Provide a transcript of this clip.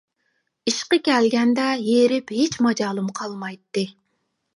ئىشقا كەلگەندە ھېرىپ ھېچ ماجالىم قالمايتتى.